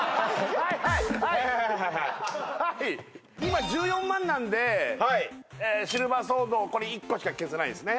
はいはいはいはい今１４万なんでシルバーソードこれ１個しか消せないんですね